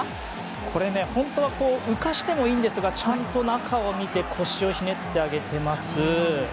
これ、本当は浮かしてもいいんですがちゃんと中を見て腰をひねって上げてます。